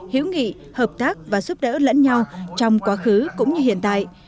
hữu nghị hợp tác và giúp đỡ lẫn nhau trong quá khứ cũng như hiện tại